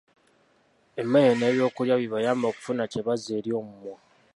Emmere n’ebyokulya bibayambe okufuna kye bazza eri omumwa.